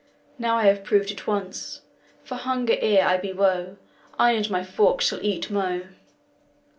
Now I have it proved once, For hunger ere I be wo, I and my folk shall eat mo!"'